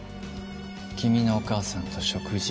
君のお母さんと食事？